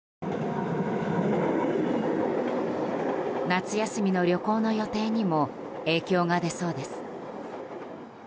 夏休みの旅行の予定にも影響が出そうです。